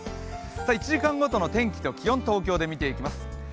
１時間ごとの天気と気温、東京で見ていきます。